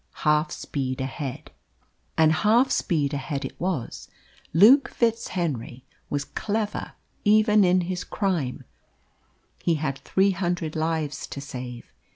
"Half speed ahead." And half speed ahead it was. Luke FitzHenry was clever even in his crime; he had three hundred lives to save.